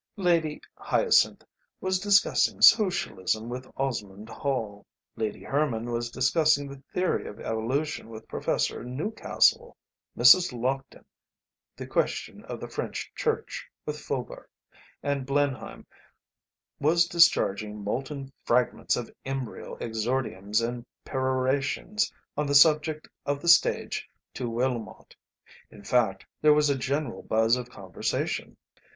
Lady Hyacinth was discussing Socialism with Osmond Hall, Lady Herman was discussing the theory of evolution with Professor Newcastle, Mrs. Lockton, the question of the French Church, with Faubourg; and Blenheim was discharging molten fragments of embryo exordiums and perorations on the subject of the stage to Willmott; in fact, there was a general buzz of conversation.